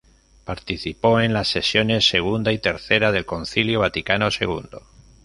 Participó en la sesiones segunda y tercera del Concilio Vaticano Segundo.